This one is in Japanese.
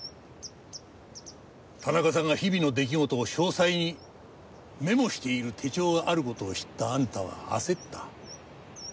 田中さんが日々の出来事を詳細にメモしている手帳がある事を知ったあんたは焦った。